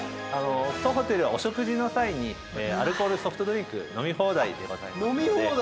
当ホテルはお食事の際にアルコールソフトドリンク飲み放題でございますので。